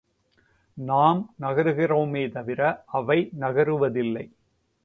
நாம் நகருகிறோமே தவிர, அவை நகருவதில்லை.